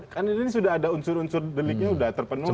kan ini sudah ada unsur unsur deliknya sudah terpenuhi